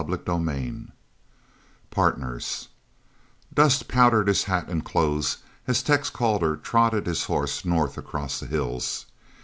CHAPTER XII PARTNERS Dust powdered his hat and clothes as Tex Calder trotted his horse north across the hills.